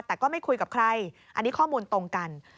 แต่ก็ไม่คุยกับใครอันนี้ข้อมูลตรงกัน